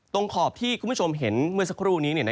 ขอบที่คุณผู้ชมเห็นเมื่อสักครู่นี้